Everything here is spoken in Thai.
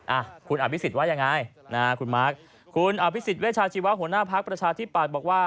อ่ะคุณอภิษฎิ์ว่ายังไงอ่าคุณมาร์คคุณอภิษฎิ์เวชาชีวาหัวหน้าพรรคประชาที่ป่านบอกว่า